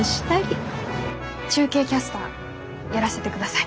中継キャスターやらせてください。